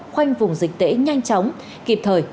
khoanh vùng dịch tễ nhanh chóng kịp thời